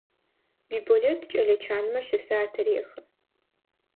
Биболэт кӏэлэ чанмэ щысэ атырехы.